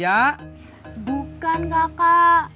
kakak tisna udah beres